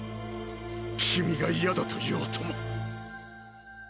君が嫌だと言おうとも！